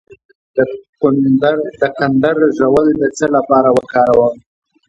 د کندر ژوول د څه لپاره وکاروم؟